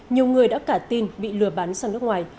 nhiều người đã cả tin bị lừa bán sang nước ngoài